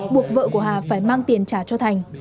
buộc vợ của hà phải mang tiền trả cho thành